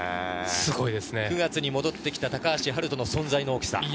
９月に戻ってきた高橋遥人の存在の大きさ。